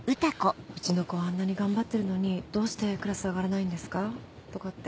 「うちの子あんなに頑張ってるのにどうしてクラス上がらないんですか？」とかって。